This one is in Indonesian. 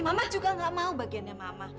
mama juga gak mau bagiannya mama